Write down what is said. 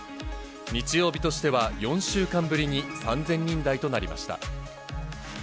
日曜日としては４週間ぶりに３０００人台となりました。